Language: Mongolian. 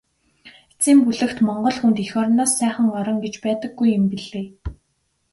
Эцсийн бүлэгт Монгол хүнд эх орноос сайхан орон гэж байдаггүй юм билээ.